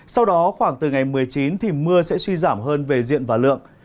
sau đó khoảng từ ngày một mươi chín thì mưa sẽ suy giảm hơn về diện và lượng